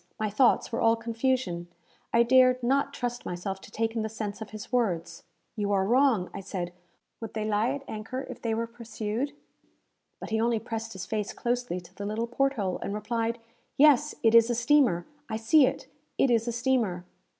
My thoughts were all confusion. I dared not trust myself to take in the sense of his words. "You are wrong," I said. "Would they lie at anchor if they were pursued?" But he only pressed his face closely to the little port hole, and replied, "Yes, it is a steamer! I see it! It is a steamer!"